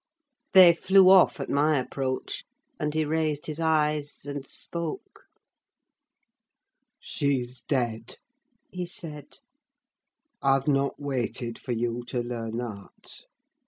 They flew off at my approach, and he raised his eyes and spoke:—"She's dead!" he said; "I've not waited for you to learn that.